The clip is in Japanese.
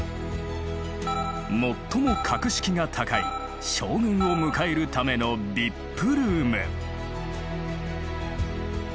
最も格式が高い将軍を迎えるためのＶＩＰルーム。